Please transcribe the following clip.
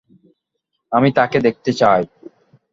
আমি তাকে দেখতে চাই।